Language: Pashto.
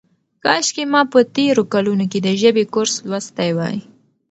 کاشکې ما په تېرو کلونو کې د ژبې کورس لوستی وای.